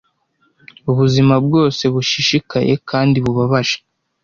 ubuzima bwose bushishikaye kandi bubabaje